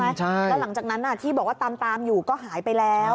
แล้วหลังจากนั้นที่บอกว่าตามอยู่ก็หายไปแล้ว